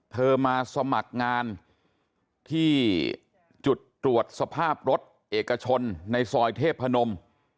มาสมัครงานที่จุดตรวจสภาพรถเอกชนในซอยเทพนม